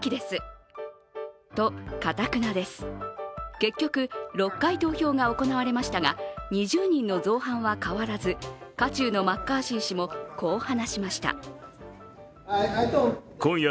結局、６回投票が行われましたが、２０人の造反は変わらず渦中のマッカーシー氏もこう話しました。